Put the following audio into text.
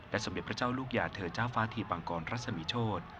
สมเด็จพระเจ้าลูกยาเธอเจ้าฟ้าธีปังกรรัศมีโชธ